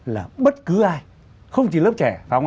là bất cứ ai không chỉ lớp trẻ